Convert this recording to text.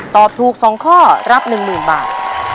ตอบถูก๒ข้อรับ๑๐๐๐บาท